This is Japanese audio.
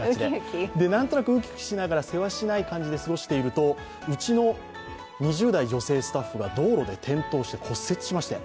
何となくウキウキしながらせわしない感じで過ごしているとうちの２０代女性スタッフが道路で転倒して骨折しまして。